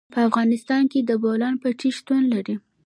په افغانستان کې د بولان پټي شتون لري.